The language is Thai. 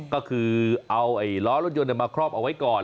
ก็คือเอาร้อระยะโร่ยนมาครอบเอาไว้ก่อน